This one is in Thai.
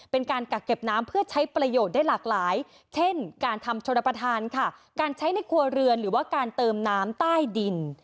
กักเก็บน้ำเพื่อใช้ประโยชน์ได้หลากหลายเช่นการทำชนประธานค่ะการใช้ในครัวเรือนหรือว่าการเติมน้ำใต้ดิน